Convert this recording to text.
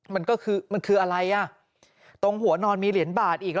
มันก็คืออะไรตรงหัวนอนมีเหรียญบาทอีก